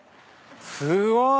すごい。